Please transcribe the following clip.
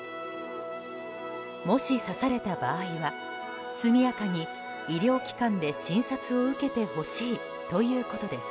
もし刺された場合は速やかに医療機関で診察を受けてほしいということです。